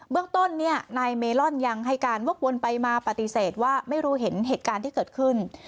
เรื่องต้นนายเมลอนยังให้การวกวนไปมาปฏิเสธว่าไม่รู้เห็นเหตุการณ์ที่เกิดขึ้น